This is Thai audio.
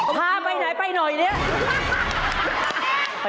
พาไปไหนไปหน่อยเนี่ย